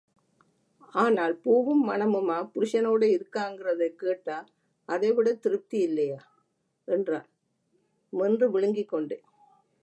ஆனால் பூவும் மணமுமா, புருஷனோடே இருக்காங்கிறதைக் கேட்டா அதைவிடத் திருப்தி இல்லையா? என்றாள், மென்று விழுங்கிக் கொண்டே.